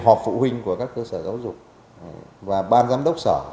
họp phụ huynh của các cơ sở giáo dục và ban giám đốc sở